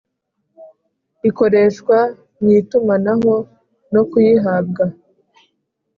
Ikoreshwa mu itumanaho no kuyihabwa